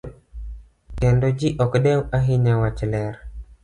Kendo ji ok dew ahinya wach ler.